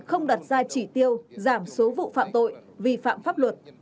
không đặt ra chỉ tiêu giảm số vụ phạm tội vi phạm pháp luật